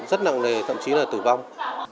rất nặng nề thậm chí là tử vong